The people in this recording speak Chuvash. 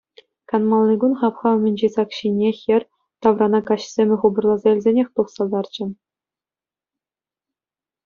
Канмалли кун хапха умӗнчи сак ҫине хӗр таврана каҫ сӗмӗ хупӑрласа илсенех тухса ларчӗ.